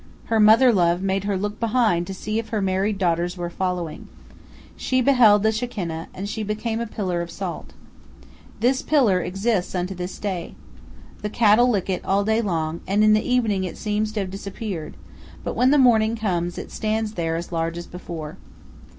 Her mother love made her look behind to see if her married daughters were following. She beheld the Shekinah, and she became a pillar of salt. This pillar exists unto this day. The cattle lick it all day long, and in the evening it seems to have disappeared, but when morning comes it stands there as large as before.